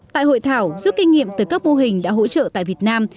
tại hội thảo giúp kinh nghiệm từ các mô hình đã hỗ trợ tại việt nam